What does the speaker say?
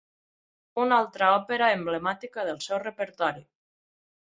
Una altra òpera emblemàtica del seu repertori.